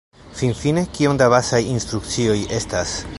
Finfine, kiom da bazaj instrukcioj estas?